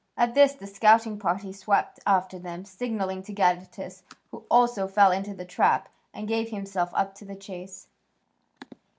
At this the scouting party swept after them, signalling to Gadatas, who also fell into the trap and gave himself up to the chase.